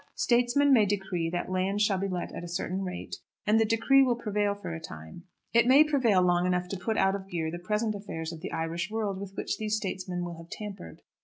Statesmen may decree that land shall be let at a certain rate, and the decree will prevail for a time. It may prevail long enough to put out of gear the present affairs of the Irish world with which these statesmen will have tampered.